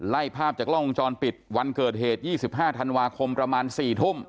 ไล่ภาพจากกล้องวงจรปิดวันเกิดเหตุ๒๕ธันวาคมประมาณ๔ทุ่ม